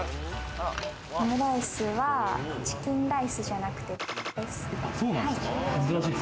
オムライスはチキンライスじゃなくて○○です。